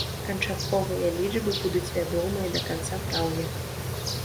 Канчатковыя лічбы будуць вядомыя да канца траўня.